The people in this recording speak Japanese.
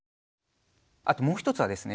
あともう一つはですね